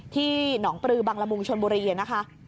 ที่หนองปลือบังละมุงชนบุรีนะคะ